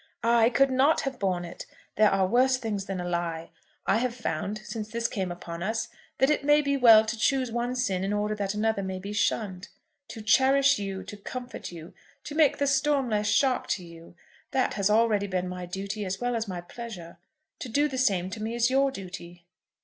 "I could not have borne it. There are worse things than a lie. I have found, since this came upon us, that it may be well to choose one sin in order that another may be shunned. To cherish you, to comfort you, to make the storm less sharp to you, that has already been my duty as well as my pleasure. To do the same to me is your duty."